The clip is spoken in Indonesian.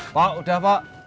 pok udah pok